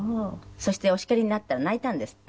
そしてお叱りになったら泣いたんですって？